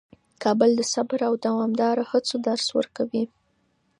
کابل د صبر او دوامداره هڅو درس ورکوي.